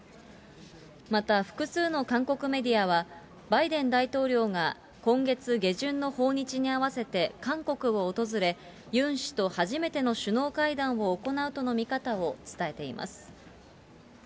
また複数の韓国メディアはバイデン大統領が今月下旬の訪日に合わせて韓国を訪れ、ユン氏と初めての首脳会談を行うとの見方を伝えています。